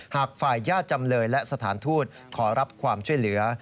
หากฝ่ายญาติจำเลยและสถานทูตขอรับความช่วยเหลือ